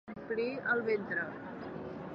Omplir el ventre.